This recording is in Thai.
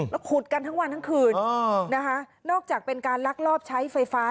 แล้วขุดกันทั้งวันทั้งคืนนะคะนอกจากเป็นการลักลอบใช้ไฟฟ้า